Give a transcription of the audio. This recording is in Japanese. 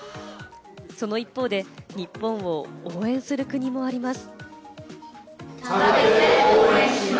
その一方で、日本を応援する国もあります。